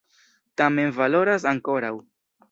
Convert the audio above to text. Tamen valoras ankoraŭ!